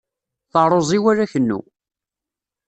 Taruẓi wala kennu.